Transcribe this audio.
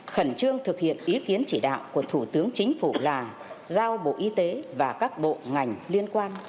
khẩn trương thực hiện ý kiến chỉ đạo của thủ tướng chính phủ lào giao bộ y tế và các bộ ngành liên quan